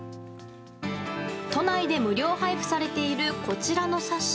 都内で無料配布されているこちらの冊子。